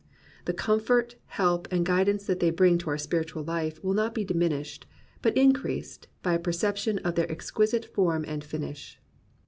The comfort, help, and guidance that they bring to our sj)iritual life will not be diminished, but increased, by a perception of their exquisite form and finish.